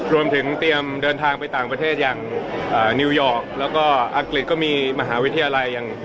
รวมถึงเตรียมเดินทางไปต่างประเทศอย่างนิวยอร์กแล้วก็อังกฤษก็มีมหาวิทยาลัยอย่าง